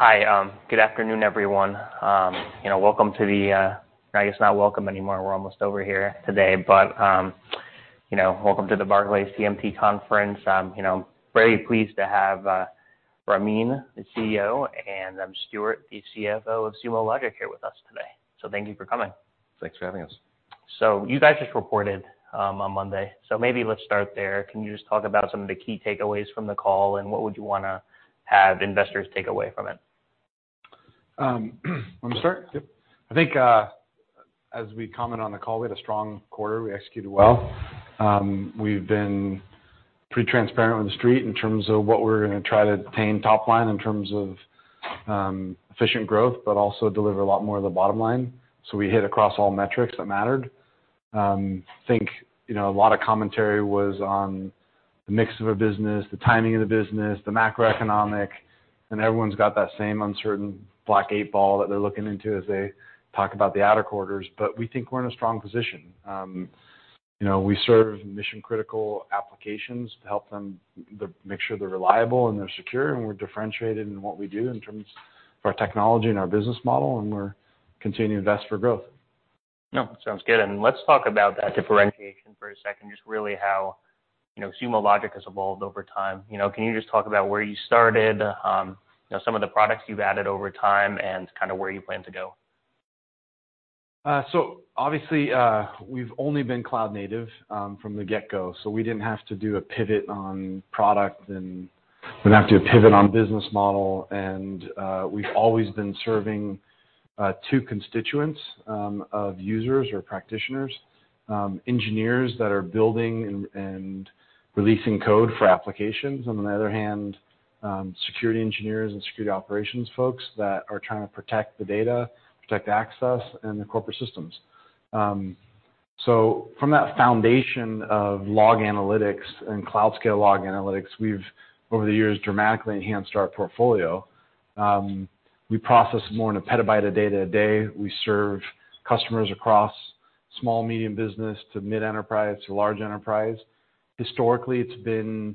Hi, good afternoon, everyone. You know, welcome to the I guess not welcome anymore, we're almost over here today. You know, welcome to the Barclays TMT Conference. You know, very pleased to have Ramin, the CEO, and Stewart, the CFO of Sumo Logic here with us today. Thank you for coming. Thanks for having us. You guys just reported, on Monday, so maybe let's start there. Can you just talk about some of the key takeaways from the call, and what would you wanna have investors take away from it? Wanna start? Yep. I think, as we comment on the call, we had a strong quarter, we executed well. We've been pretty transparent with the street in terms of what we're gonna try to attain top line in terms of efficient growth, but also deliver a lot more of the bottom line. We hit across all metrics that mattered. Think, you know, a lot of commentary was on the mix of a business, the timing of the business, the macroeconomic, and everyone's got that same uncertain black eight ball that they're looking into as they talk about the outer quarters. We think we're in a strong position. you know, we serve mission-critical applications to help them make sure they're reliable and they're secure, and we're differentiated in what we do in terms of our technology and our business model, and we're continuing to invest for growth. No, sounds good. Let's talk about that differentiation for a second. Just really how, you know, Sumo Logic has evolved over time. You know, can you just talk about where you started, you know, some of the products you've added over time and kind of where you plan to go? Obviously, we've only been cloud native from the get-go, so we didn't have to do a pivot on product and didn't have to do a pivot on business model. We've always been serving two constituents of users or practitioners, engineers that are building and releasing code for applications. On the other hand, security engineers and security operations folks that are trying to protect the data, protect access and the corporate systems. From that foundation of log analytics and cloud scale log analytics, we've over the years dramatically enhanced our portfolio. We process more than a petabyte a day-to-day. We serve customers across small, medium business to mid-enterprise to large enterprise. Historically, it's been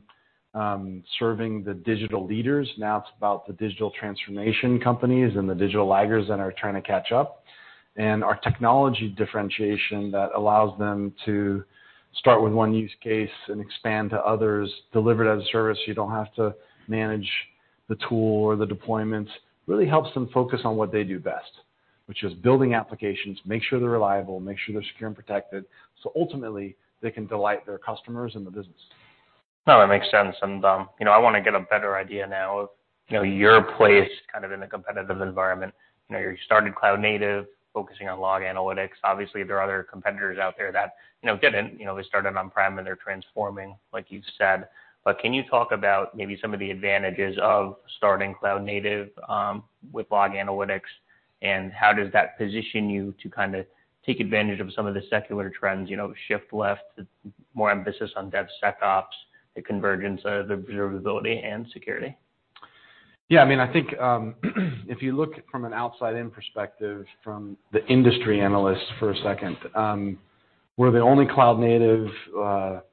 serving the digital leaders. Now it's about the digital transformation companies and the digital laggers that are trying to catch up. Our technology differentiation that allows them to start with one use case and expand to others, delivered as a service, you don't have to manage the tool or the deployments, really helps them focus on what they do best, which is building applications, make sure they're reliable, make sure they're secure and protected, so ultimately they can delight their customers and the business. No, that makes sense. You know, I wanna get a better idea now of, you know, your place kind of in the competitive environment. You know, you started cloud native, focusing on log analytics. Obviously, there are other competitors out there that, you know, didn't, you know, they started on-prem and they're transforming like you've said. Can you talk about maybe some of the advantages of starting cloud native with log analytics, and how does that position you to kind of take advantage of some of the secular trends, you know, shift left, more emphasis on DevSecOps, the convergence of the observability and security? Yeah. I mean, I think, if you look from an outside-in perspective from the industry analysts for a second, we're the only cloud native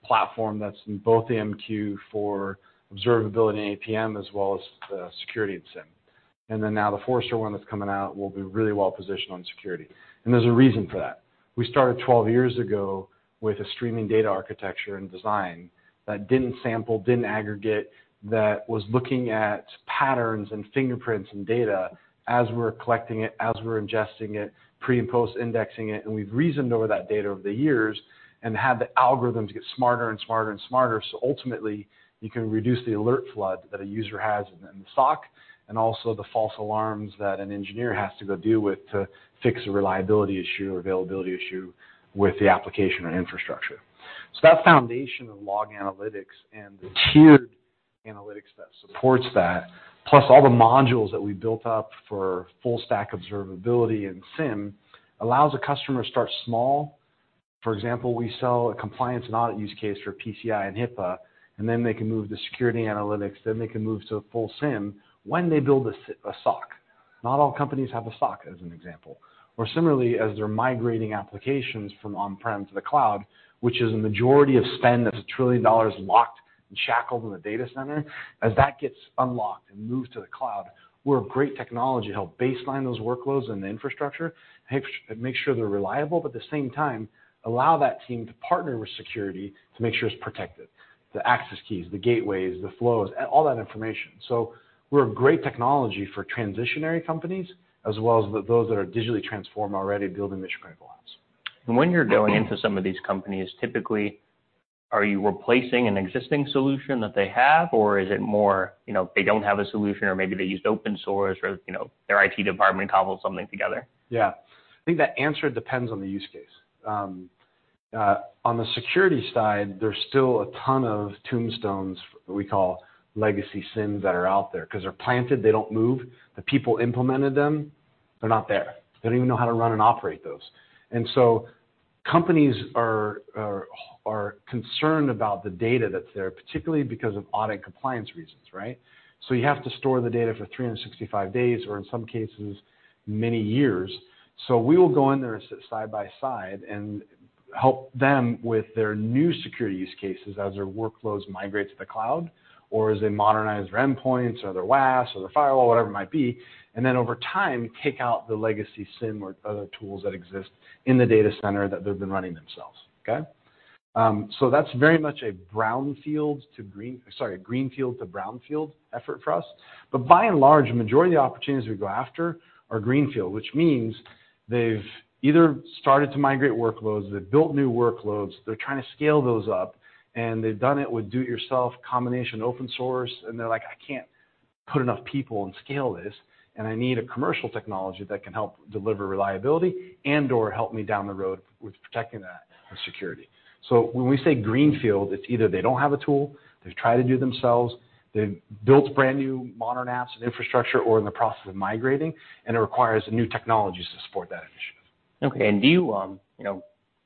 platform that's in both the MQ for observability and APM as well as security and SIEM. Now the Forrester one that's coming out will be really well positioned on security. There's a reason for that. We started 12 years ago with a streaming data architecture and design that didn't sample, didn't aggregate, that was looking at patterns and fingerprints and data as we're collecting it, as we're ingesting it, pre and post indexing it, and we've reasoned over that data over the years and had the algorithms get smarter and smarter and smarter. Ultimately, you can reduce the alert flood that a user has in the SOC, and also the false alarms that an engineer has to go deal with to fix a reliability issue or availability issue with the application or infrastructure. That foundation of log analytics and the tiered analytics that supports that, plus all the modules that we built up for full stack observability and SIEM, allows a customer to start small. For example, we sell a compliance and audit use case for PCI and HIPAA, and then they can move to security analytics, then they can move to a full SIEM when they build a SOC. Not all companies have a SOC, as an example. Similarly, as they're migrating applications from on-prem to the cloud, which is a majority of spend, that's $1 trillion locked and shackled in the data center. As that gets unlocked and moved to the cloud, we're a great technology to help baseline those workloads and the infrastructure, make sure they're reliable, but at the same time, allow that team to partner with security to make sure it's protected, the access keys, the gateways, the flows, all that information. We're a great technology for transitionary companies as well as the those that are digitally transformed already building mission-critical apps. When you're going into some of these companies, typically, are you replacing an existing solution that they have or is it more, you know, they don't have a solution or maybe they used open source or, you know, their IT department cobbled something together? Yeah. I think that answer depends on the use case. On the security side, there's still a ton of tombstones we call legacy SIEMs that are out there. 'Cause they're planted, they don't move. The people implemented them, they're not there. They don't even know how to run and operate those. Companies are concerned about the data that's there, particularly because of audit compliance reasons, right? You have to store the data for 365 days or in some cases, many years. We will go in there and sit side by side, Help them with their new security use cases as their workflows migrate to the cloud, or as they modernize their endpoints or their FWaaS or their firewall, whatever it might be. Then over time, take out the legacy SIEM or other tools that exist in the data center that they've been running themselves. Okay? That's very much a green field to brown field effort for us. By and large, the majority of the opportunities we go after are green field, which means they've either started to migrate workloads, they've built new workloads, they're trying to scale those up, and they've done it with do-it-yourself combination open source, and they're like, "I can't put enough people and scale this, and I need a commercial technology that can help deliver reliability and/or help me down the road with protecting that with security." When we say green field, it's either they don't have a tool, they've tried to do it themselves, they've built brand new modern apps and infrastructure or in the process of migrating, and it requires new technologies to support that initiative. Okay. Do you know,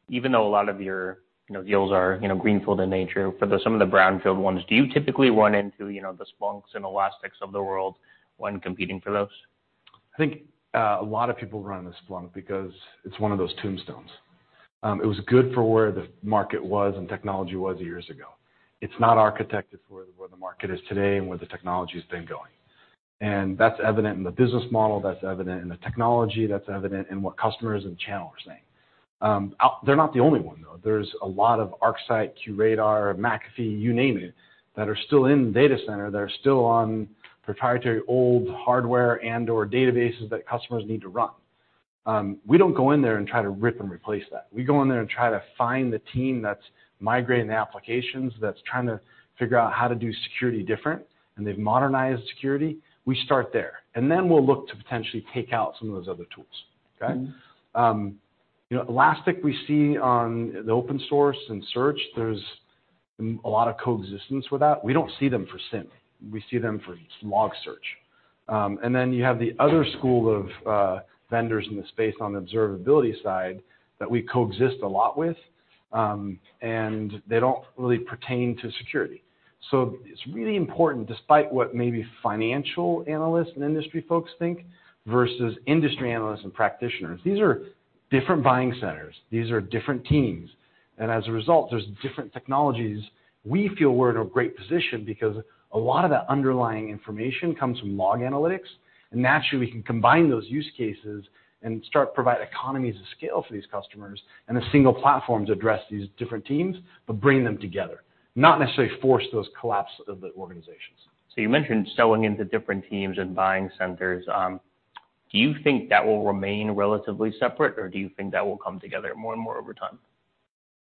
even though a lot of your, you know, deals are, you know, greenfield in nature, for the some of the brownfield ones, do you typically run into, you know, the Splunk and Elastic of the world when competing for those? I think a lot of people run to Splunk because it's one of those tombstones. It was good for where the market was and technology was years ago. It's not architected for where the market is today and where the technology has been going. That's evident in the business model, that's evident in the technology, that's evident in what customers and channel are saying. They're not the only one, though. There's a lot of ArcSight, QRadar, McAfee, you name it, that are still in data center, that are still on proprietary old hardware and/or databases that customers need to run. We don't go in there and try to rip and replace that. We go in there and try to find the team that's migrating the applications, that's trying to figure out how to do security different, and they've modernized security. We start there. Then we'll look to potentially take out some of those other tools. Okay? You know, Elastic, we see on the open source and search, there's a lot of coexistence with that. We don't see them for SIEM. We see them for log search. Then you have the other school of vendors in the space on the observability side that we coexist a lot with, and they don't really pertain to security. It's really important, despite what maybe financial analysts and industry folks think, versus industry analysts and practitioners, these are different buying centers. These are different teams. As a result, there's different technologies. We feel we're in a great position because a lot of that underlying information comes from log analytics, naturally, we can combine those use cases and start provide economies of scale for these customers, the single platforms address these different teams, but bring them together, not necessarily force those collapse of the organizations. You mentioned selling into different teams and buying centers. Do you think that will remain relatively separate, or do you think that will come together more and more over time?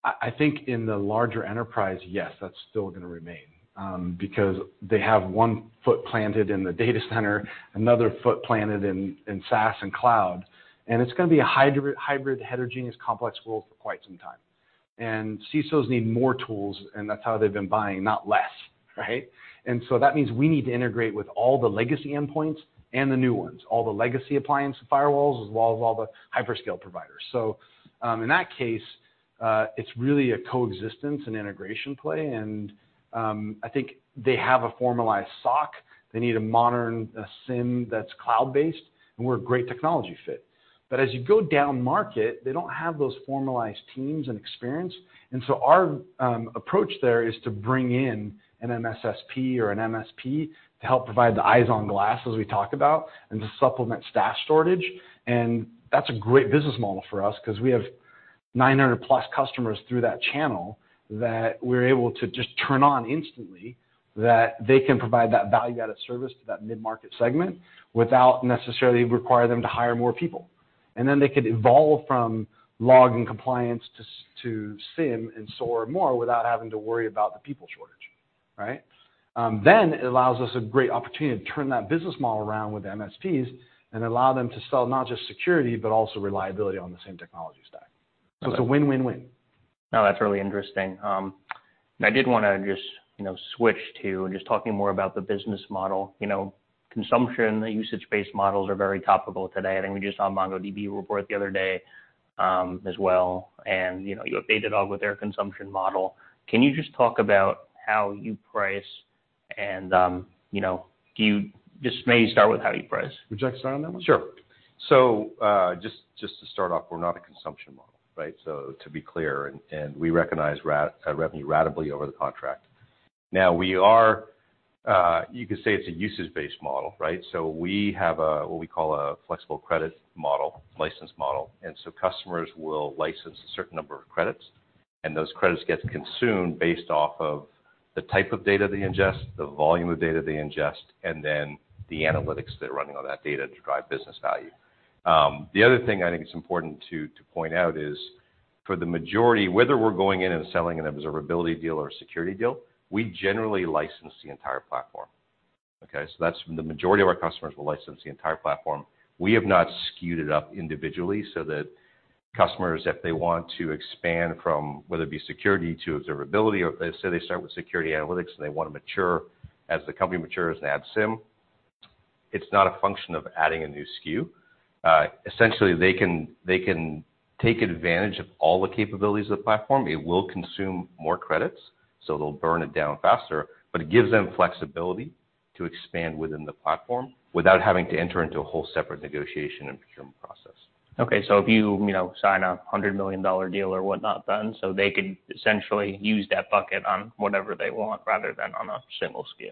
I think in the larger enterprise, yes, that's still gonna remain, because they have one foot planted in the data center, another foot planted in SaaS and cloud. It's gonna be a hybrid heterogeneous complex world for quite some time. CISOs need more tools, and that's how they've been buying, not less. Right? That means we need to integrate with all the legacy endpoints and the new ones, all the legacy appliance firewalls, as well as all the hyperscale providers. In that case, it's really a coexistence and integration play. I think they have a formalized SOC. They need a modern SIEM that's cloud-based, and we're a great technology fit. As you go down market, they don't have those formalized teams and experience. Our approach there is to bring in an MSSP or an MSP to help provide the eyes on glass, as we talked about, and to supplement staff shortage. That's a great business model for us 'cause we have 900 plus customers through that channel that we're able to just turn on instantly, that they can provide that value-added service to that mid-market segment without necessarily require them to hire more people. They could evolve from log and compliance to SIEM and SOAR more without having to worry about the people shortage, right? It allows us a great opportunity to turn that business model around with MSPs and allow them to sell not just security, but also reliability on the same technology stack. It's a win-win-win. No, that's really interesting. I did wanna just, you know, switch to just talking more about the business model. You know, consumption, the usage-based models are very topical today. I think we just saw MongoDB report the other day, as well. You know, you updated all with their consumption model. Can you just talk about how you price and, you know, Just maybe start with how you price. Would you like to start on that one? Sure. Just to start off, we're not a consumption model, right? To be clear, and we recognize revenue ratably over the contract. Now we are, you could say it's a usage-based model, right? We have a, what we call a flexible credit model, license model, and customers will license a certain number of credits, and those credits get consumed based off of the type of data they ingest, the volume of data they ingest, and then the analytics they're running on that data to drive business value. The other thing I think is important to point out is, for the majority, whether we're going in and selling an observability deal or a security deal, we generally license the entire platform. Okay? That's the majority of our customers will license the entire platform. We have not skewed it up individually so that customers, if they want to expand from whether it be security to observability or, say, they start with security analytics, and they wanna mature as the company matures and add SIEM, it's not a function of adding a new SKU. essentially, they can take advantage of all the capabilities of the platform. It will consume more credits, so they'll burn it down faster, but it gives them flexibility to expand within the platform without having to enter into a whole separate negotiation and procurement process. Okay. If you know, sign a $100 million deal or whatnot, they could essentially use that bucket on whatever they want rather than on a single SKU.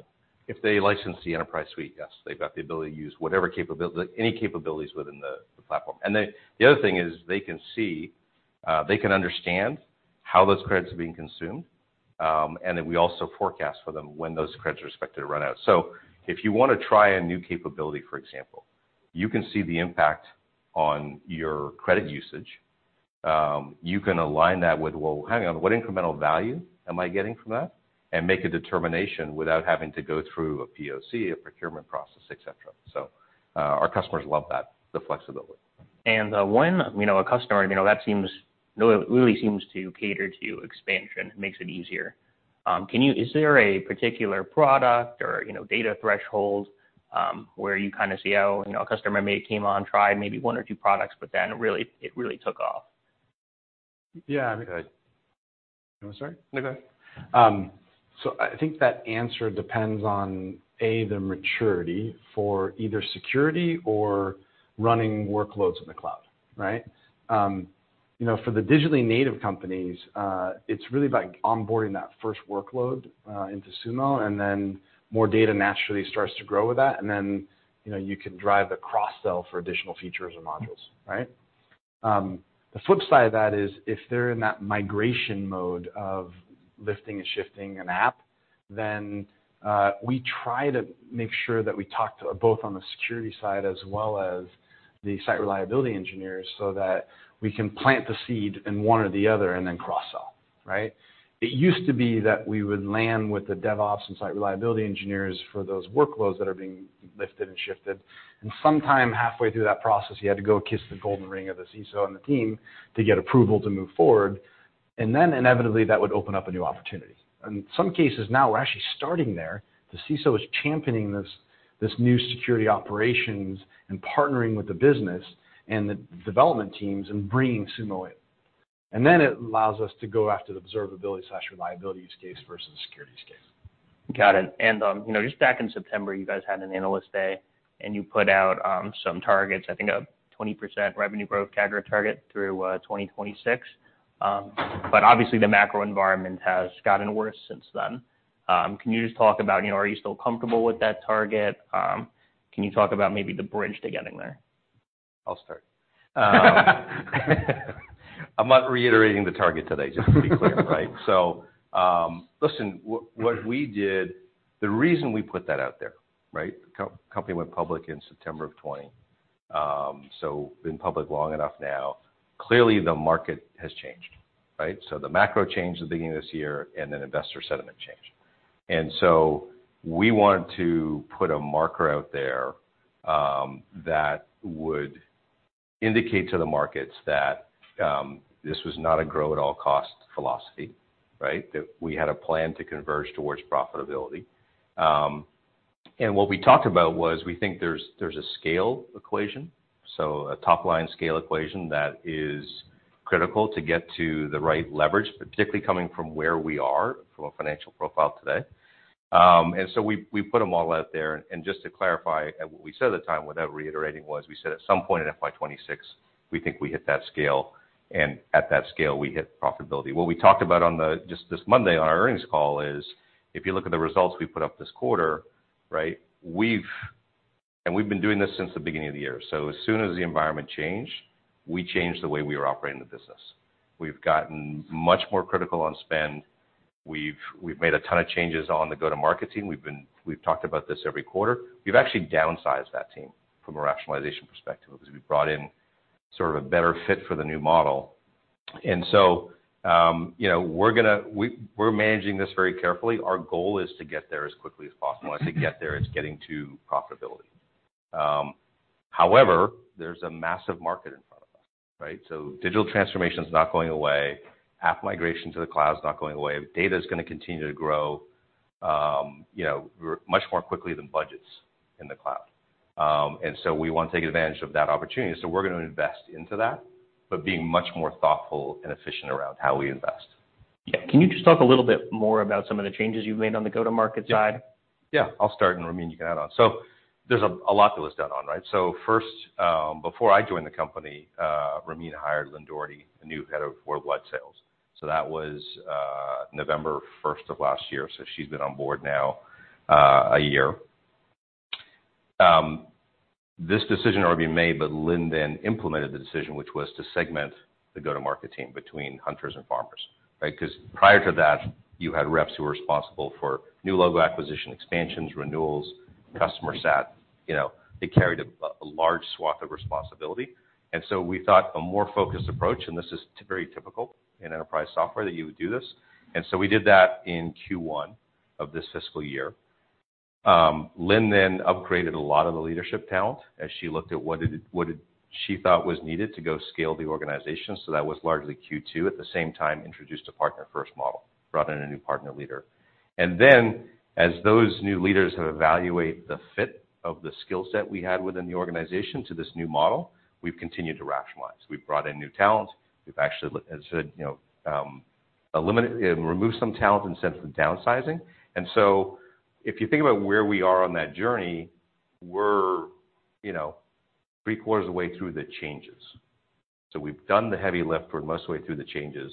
If they license the enterprise suite, yes. They've got the ability to use whatever any capabilities within the platform. The other thing is they can see, they can understand how those credits are being consumed, and then we also forecast for them when those credits are expected to run out. If you wanna try a new capability, for example, you can see the impact on your credit usage. You can align that with, "Well, hang on, what incremental value am I getting from that?" Make a determination without having to go through a POC, a procurement process, et cetera. Our customers love that, the flexibility. When, you know, a customer, you know, really seems to cater to expansion, makes it easier. Can you is there a particular product or, you know, data threshold, where you kind of see how, you know, a customer may came on, tried maybe one or two products, but then it really took off? Yeah. I mean, You wanna start? No, go ahead. I think that answer depends on, A, the maturity for either security or running workloads in the cloud, right? You know, for the digitally native companies, it's really about onboarding that first workload into Sumo, and then more data naturally starts to grow with that. You know, you can drive the cross-sell for additional features or modules, right? The flip side of that is if they're in that migration mode of lifting and shifting an app, then we try to make sure that we talk to both on the security side as well as the site reliability engineers so that we can plant the seed in one or the other and then cross-sell, right? It used to be that we would land with the DevOps and site reliability engineers for those workloads that are being lifted and shifted, and sometime halfway through that process, you had to go kiss the golden ring of the CISO and the team to get approval to move forward, and then inevitably, that would open up a new opportunity. In some cases now, we're actually starting there. The CISO is championing this new security operations and partnering with the business and the development teams and bringing Sumo in. It allows us to go after the observability/reliability use case versus the security use case. Got it. You know, just back in September, you guys had an analyst day, and you put out, some targets, I think a 20% revenue growth CAGR target through, 2026. Obviously the macro environment has gotten worse since then. Can you just talk about, you know, are you still comfortable with that target? Can you talk about maybe the bridge to getting there? I'll start. I'm not reiterating the target today, just to be clear, right? Listen, what we did. The reason we put that out there, right? Company went public in September of 2020. Been public long enough now. Clearly, the market has changed, right? The macro changed at the beginning of this year, investor sentiment changed. We want to put a marker out there that would indicate to the markets that this was not a grow at all cost philosophy, right? That we had a plan to converge towards profitability. What we talked about was we think there's a scale equation, so a top-line scale equation that is critical to get to the right leverage, particularly coming from where we are from a financial profile today. We put a model out there, and just to clarify what we said at the time without reiterating was we said at some point in FY26, we think we hit that scale, and at that scale, we hit profitability. What we talked about just this Monday on our earnings call is, if you look at the results we put up this quarter, right? We've been doing this since the beginning of the year. As soon as the environment changed, we changed the way we were operating the business. We've gotten much more critical on spend. We've made a ton of changes on the go-to-market team. We've talked about this every quarter. We've actually downsized that team from a rationalization perspective because we brought in sort of a better fit for the new model. You know, we're managing this very carefully. Our goal is to get there as quickly as possible. As I say get there, it's getting to profitability. However, there's a massive market in front of us, right? Digital transformation is not going away. App migration to the cloud is not going away. Data is gonna continue to grow, you know, much more quickly than budgets in the cloud. We wanna take advantage of that opportunity. We're gonna invest into that, but being much more thoughtful and efficient around how we invest. Yeah. Can you just talk a little bit more about some of the changes you've made on the go-to-market side? I'll start, Ramin, you can add on. There's a lot that was done on, right? First, before I joined the company, Ramin hired Lynne Doherty, the new head of worldwide sales. That was November 1st of last year, so she's been on board now a year. This decision had already been made, Lynne then implemented the decision, which was to segment the go-to-market team between hunters and farmers, right? Because prior to that, you had reps who were responsible for new logo acquisition, expansions, renewals, customer sat, you know? They carried a large swath of responsibility. We thought a more focused approach, and this is very typical in enterprise software that you would do this. We did that in Q1 of this fiscal year. Lynne then upgraded a lot of the leadership talent as she looked at what did, what did she thought was needed to go scale the organization, so that was largely Q2. At the same time, introduced a partner-first model, brought in a new partner leader. As those new leaders have evaluate the fit of the skill set we had within the organization to this new model, we've continued to rationalize. We've brought in new talent. We've actually, as I said, you know, eliminate and remove some talent instead of the downsizing. If you think about where we are on that journey, we're, you know, three-quarters of the way through the changes. We've done the heavy lift. We're most of the way through the changes.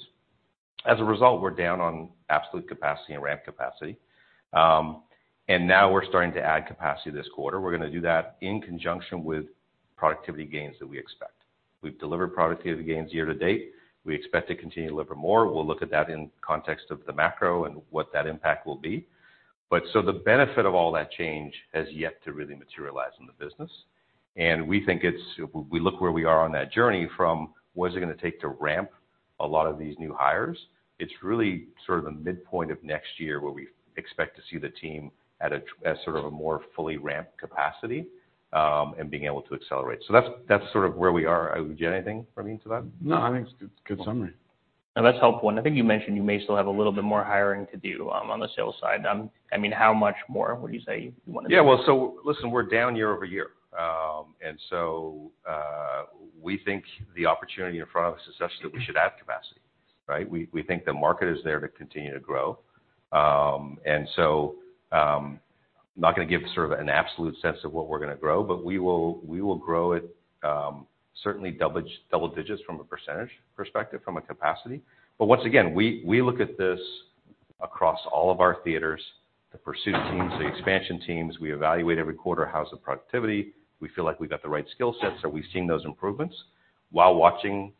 As a result, we're down on absolute capacity and ramp capacity. Now we're starting to add capacity this quarter. We're gonna do that in conjunction with productivity gains that we expect. We've delivered productivity gains year to date. We expect to continue to deliver more. We'll look at that in context of the macro and what that impact will be. The benefit of all that change has yet to really materialize in the business. We think it's, we look where we are on that journey from, what is it gonna take to ramp a lot of these new hires? It's really sort of the midpoint of next year where we expect to see the team at a sort of a more fully ramped capacity and being able to accelerate. That's, that's sort of where we are. Would you add anything, Ramin, to that? No, I think it's a good summary. Now that's helpful. I think you mentioned you may still have a little bit more hiring to do, on the sales side. I mean, how much more would you say you wanna do? Well, listen, we're down year-over-year. We think the opportunity in front of us is such that we should add capacity, right? We, we think the market is there to continue to grow. I'm not gonna give sort of an absolute sense of what we're gonna grow, but we will, we will grow it, certainly double digits from a percentage perspective from a capacity. Once again, we look at this across all of our theaters, the pursuit teams, the expansion teams. We evaluate every quarter how's the productivity. We feel like we've got the right skill sets, are we seeing those improvements, while watching,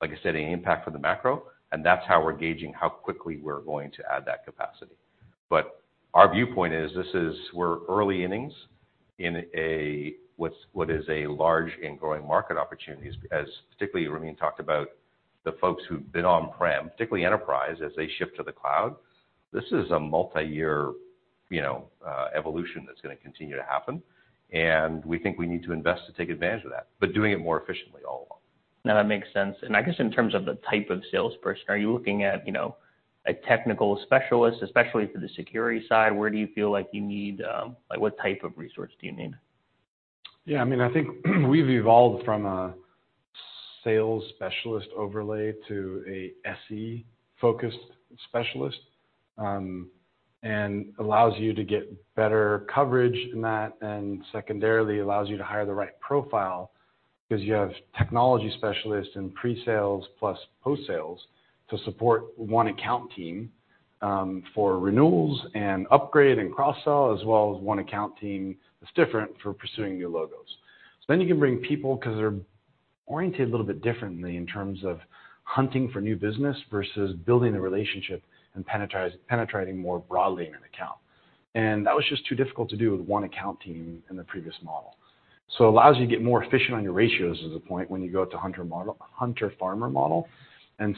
like I said, any impact from the macro, and that's how we're gauging how quickly we're going to add that capacity. Our viewpoint is this is we're early innings in a, what is a large and growing market opportunities as particularly Ramin talked about the folks who've been on-prem, particularly enterprise, as they shift to the cloud. This is a multi-year, you know, evolution that's gonna continue to happen, and we think we need to invest to take advantage of that, but doing it more efficiently all along. No, that makes sense. I guess in terms of the type of salesperson, are you looking at, you know, a technical specialist, especially for the security side? Where do you feel like you need like what type of resource do you need? Yeah, I mean, I think we've evolved from a sales specialist overlay to a SE-focused specialist, and allows you to get better coverage in that, and secondarily, allows you to hire the right profile 'cause you have technology specialists in pre-sales plus post-sales to support one account team, for renewals and upgrade and cross-sell, as well as one account team that's different for pursuing new logos. You can bring people 'cause they're oriented a little bit differently in terms of hunting for new business versus building a relationship and penetrating more broadly in an account. That was just too difficult to do with one account team in the previous model. Allows you to get more efficient on your ratios as a point when you go to hunter/farmer model.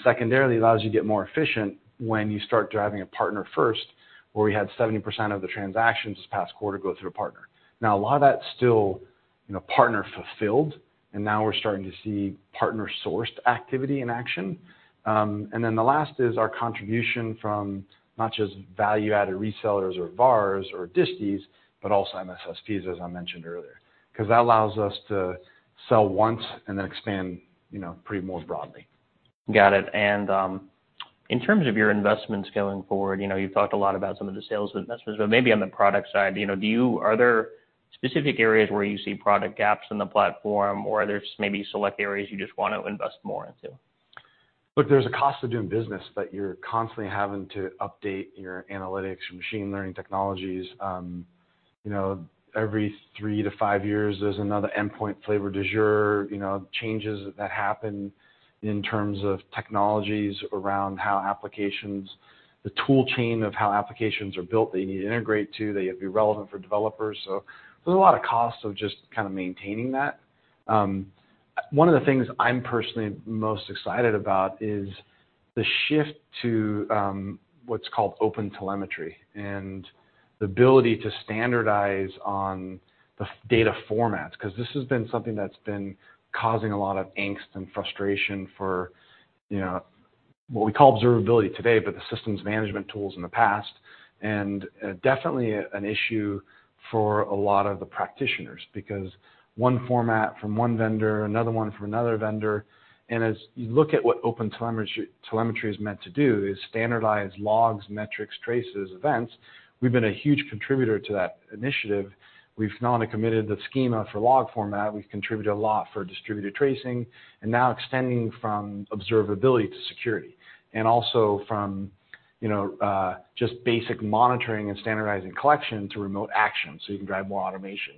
Secondarily, allows you to get more efficient when you start driving a partner first, where we had 70% of the transactions this past quarter go through a partner. Now a lot of that's still, you know, partner fulfilled, and now we're starting to see partner-sourced activity in action. The last is our contribution from not just value-added resellers or VARs or disties, but also MSSPs, as I mentioned earlier. 'Cause that allows us to sell once and then expand, you know, pretty more broadly. Got it. In terms of your investments going forward, you know, you've talked a lot about some of the sales investments, but maybe on the product side, you know, are there specific areas where you see product gaps in the platform or are there maybe select areas you just wanna invest more into? Look, there's a cost of doing business that you're constantly having to update your analytics, your machine learning technologies. You know, every three to five years, there's another endpoint flavor du jour. You know, changes that happen in terms of technologies around how applications, the tool chain of how applications are built, that you need to integrate to, that you have to be relevant for developers. There's a lot of costs of just kind of maintaining that. One of the things I'm personally most excited about is the shift to what's called OpenTelemetry and the ability to standardize on the data formats 'cause this has been something that's been causing a lot of angst and frustration for, you know, what we call observability today, but the systems management tools in the past. Definitely an issue for a lot of the practitioners because one format from one vendor, another one from another vendor. As you look at what OpenTelemetry is meant to do is standardize logs, metrics, traces, events. We've been a huge contributor to that initiative. We've not only committed the schema for log format, we've contributed a lot for distributed tracing and now extending from observability to security and also from, you know, just basic monitoring and standardizing collection to remote action, so you can drive more automation.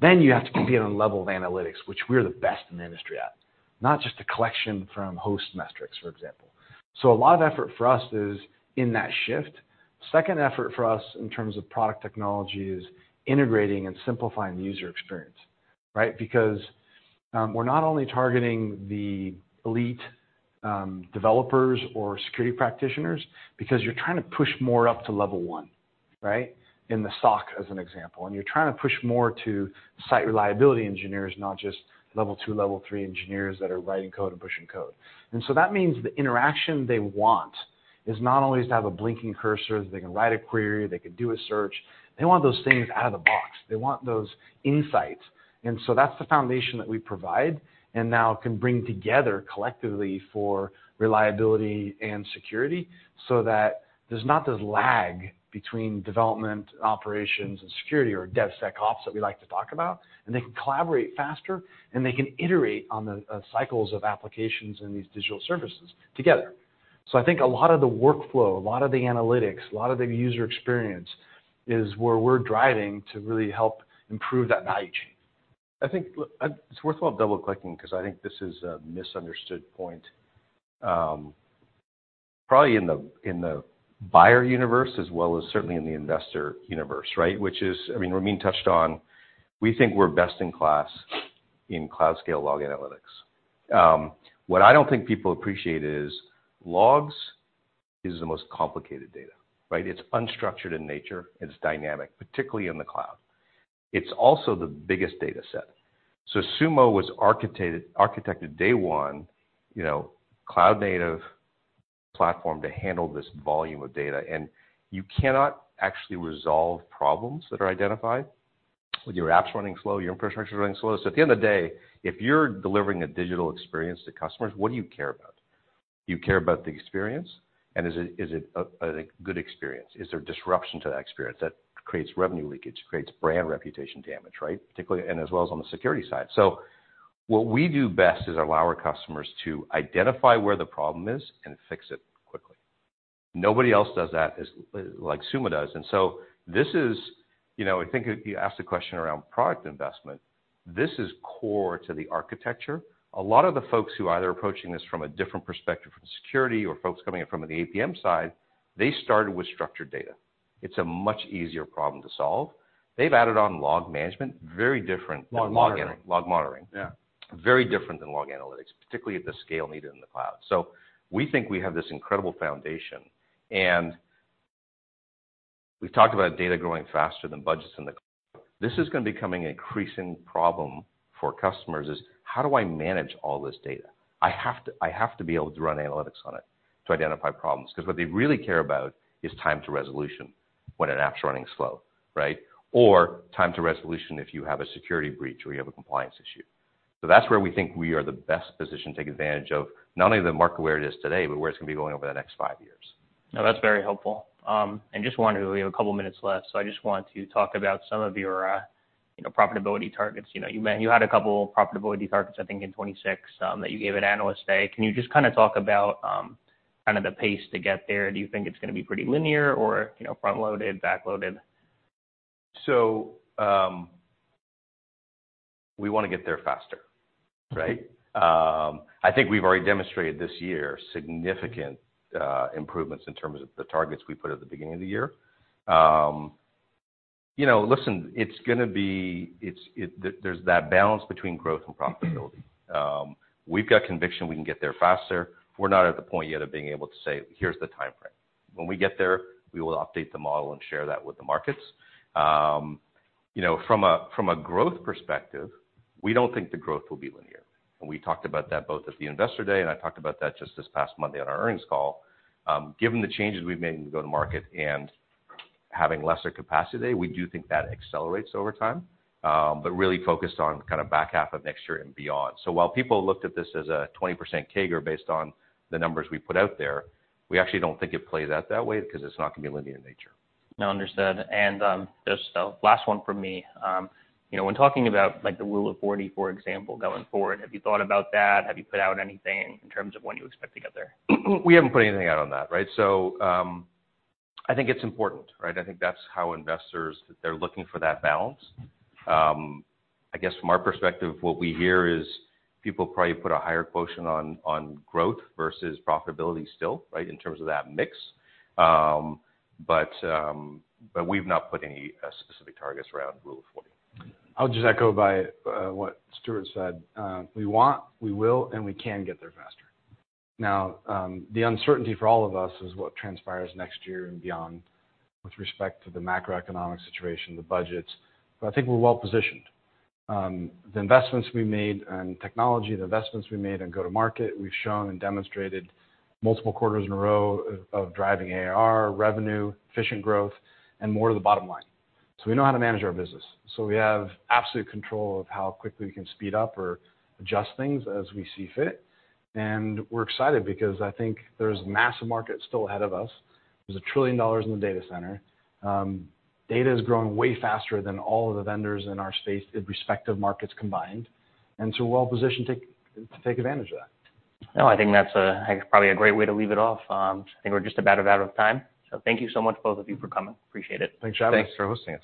Then you have to compete on a level of analytics, which we're the best in the industry at. Not just the collection from host metrics, for example. A lot of effort for us is in that shift. Second effort for us in terms of product technology is integrating and simplifying the user experience, right? We're not only targeting the elite developers or security practitioners because you're trying to push more up to level one, right? In the SOC as an example. You're trying to push more to site reliability engineers, not just level two, level three engineers that are writing code and pushing code. That means the interaction they want is not always to have a blinking cursor. They can write a query, they can do a search. They want those things out of the box. They want those insights. That's the foundation that we provide, and now can bring together collectively for reliability and security, so that there's not this lag between development, operations, and security or DevSecOps that we like to talk about. They can collaborate faster, and they can iterate on the cycles of applications in these digital services together. I think a lot of the workflow, a lot of the analytics, a lot of the user experience is where we're driving to really help improve that value chain. I think look, it's worthwhile double-clicking because I think this is a misunderstood point, probably in the, in the buyer universe as well as certainly in the investor universe, right? I mean, Ramin touched on, we think we're best in class in cloud scale log analytics. What I don't think people appreciate is logs is the most complicated data, right? It's unstructured in nature, it's dynamic, particularly in the cloud. It's also the biggest data set. Sumo was architected day one, you know, cloud native platform to handle this volume of data. You cannot actually resolve problems that are identified with your apps running slow, your infrastructure running slow. At the end of the day, if you're delivering a digital experience to customers, what do you care about? You care about the experience, is it a good experience? Is there disruption to that experience that creates revenue leakage, creates brand reputation damage, right? Particularly as well as on the security side. What we do best is allow our customers to identify where the problem is and fix it quickly. Nobody else does that like Sumo does. This is, you know, I think you asked the question around product investment. This is core to the architecture. A lot of the folks who either approaching this from a different perspective from security or folks coming in from the APM side, they started with structured data. It's a much easier problem to solve. They've added on log management, very different than. Log monitoring. Log monitoring. Yeah. Very different than log analytics, particularly at the scale needed in the cloud. We think we have this incredible foundation. We've talked about data growing faster than budgets in the cloud. This is gonna be becoming an increasing problem for customers, is how do I manage all this data? I have to be able to run analytics on it to identify problems. 'Cause what they really care about is time to resolution when an app's running slow, right? Time to resolution if you have a security breach or you have a compliance issue. That's where we think we are the best positioned to take advantage of not only the market where it is today, but where it's gonna be going over the next five years. No, that's very helpful. Just wondering, we have a couple of minutes left, so I just want to talk about some of your, you know, profitability targets. You know, you had a couple profitability targets, I think in 2026, that you gave at Investor Day. Can you just kinda talk about kind of the pace to get there? Do you think it's gonna be pretty linear or, you know, front-loaded, back-loaded? We wanna get there faster, right? I think we've already demonstrated this year significant improvements in terms of the targets we put at the beginning of the year. You know, listen, there's that balance between growth and profitability. We've got conviction we can get there faster. We're not at the point yet of being able to say, "Here's the timeframe." When we get there, we will update the model and share that with the markets. You know, from a, from a growth perspective, we don't think the growth will be linear. We talked about that both at the Investor Day, and I talked about that just this past Monday on our earnings call. Given the changes we've made in go-to-market and having lesser capacity, we do think that accelerates over time, but really focused on kind of back half of next year and beyond. While people looked at this as a 20% CAGR based on the numbers we put out there, we actually don't think it plays out that way because it's not gonna be linear in nature. No, understood. Just, last one from me, you know, when talking about like the Rule of 40, for example, going forward, have you thought about that? Have you put out anything in terms of when you expect to get there? We haven't put anything out on that, right? I think it's important, right? I think that's how investors, they're looking for that balance. I guess from our perspective, what we hear is people probably put a higher quotient on growth versus profitability still, right, in terms of that mix. But we've not put any specific targets around Rule of 40. I'll just echo by what Stuart said. We want, we will, and we can get there faster. Now, the uncertainty for all of us is what transpires next year and beyond with respect to the macroeconomic situation, the budgets, but I think we're well positioned. The investments we made in technology, the investments we made in go-to-market, we've shown and demonstrated multiple quarters in a row of driving ARR, revenue, efficient growth, and more to the bottom line. We know how to manage our business. We have absolute control of how quickly we can speed up or adjust things as we see fit. We're excited because I think there's massive market still ahead of us. There's $1 trillion in the data center. Data is growing way faster than all of the vendors in our space in respective markets combined. we're well positioned to take advantage of that. I think that's probably a great way to leave it off. I think we're just about out of time. Thank you so much, both of you, for coming. Appreciate it. Thanks for having us. Thanks for hosting us.